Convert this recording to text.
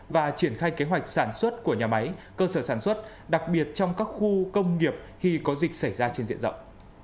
và triển khai kế hoạch sản xuất của nhà máy cơ sở sản xuất đặc biệt trong các khu công nghiệp khi có dịch xảy ra trên diện rộng